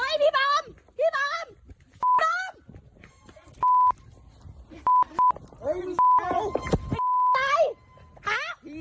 สีแบบนี้ละครับ